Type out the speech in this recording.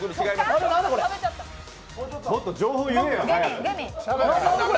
もっと情報を言えよ。